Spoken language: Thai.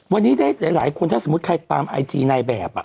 วันนี้ได้หลายคนถ้าสมมุติใครตามไอจีนายแบบ